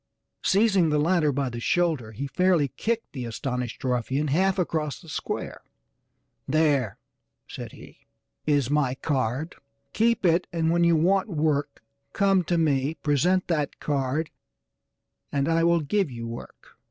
Seizing the latter by the shoulder he fairly kicked the astonished ruffian half across the square. "There," said he, "is my card, keep it and when you want work come to me, present that card, and I will give you work."